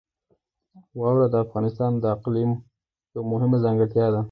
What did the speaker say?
واوره د افغانستان د اقلیم یوه مهمه ځانګړتیا ده.